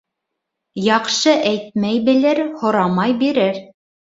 Яҡшы әйтмәй белер, һорамай бирер.